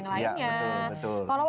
ataupun bantuan yang lainnya